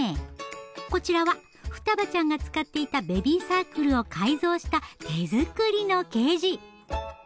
こちらは双葉ちゃんが使っていたベビーサークルを改造した手作りのケージ